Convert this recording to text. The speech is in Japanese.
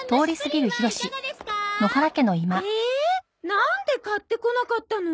なんで買ってこなかったの？